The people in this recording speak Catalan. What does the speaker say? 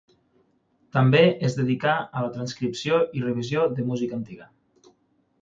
També es dedicà a la transcripció i revisió de música antiga.